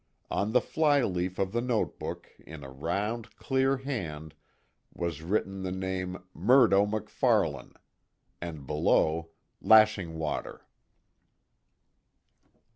On the fly leaf of the note book, in a round, clear hand was written the name MURDO MACFARLANE, and below, Lashing Water.